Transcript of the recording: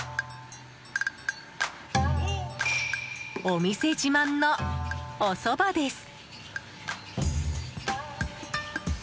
お店自慢のおそばです。